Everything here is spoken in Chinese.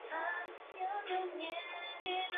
皇帝的黄袍用柘黄所染。